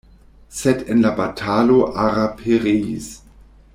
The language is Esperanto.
Sed en la batalo Ara pereis.